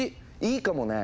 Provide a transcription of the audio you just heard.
いいかもね。